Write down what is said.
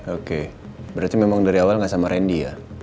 oke berarti memang dari awal gak sama randy ya